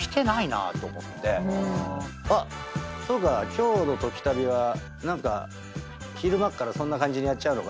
今日の『トキタビ』は何か昼間っからそんな感じにやっちゃうのか。